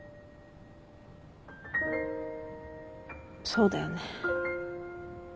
そうだよね。